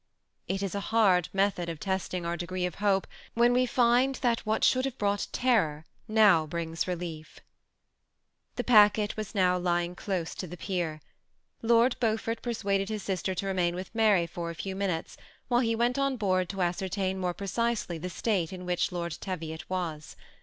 It is a hard method of testing our degree of hope when we find that what should have brought terror now brings relief. The packet was now lying close to the pier. Lord Beaufort persuaded his sister to remain with Mary for a few minutes while he went on board to ascertain more precisely the state in which Lord Teviot was.